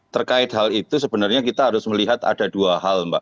terkait hal itu sebenarnya kita harus melihat ada dua hal mbak